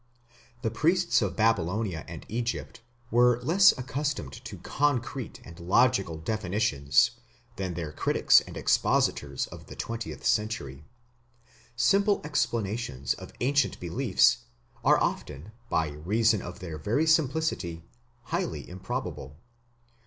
The priests of Babylonia and Egypt were less accustomed to concrete and logical definitions than their critics and expositors of the twentieth century. Simple explanations of ancient beliefs are often by reason of their very simplicity highly improbable.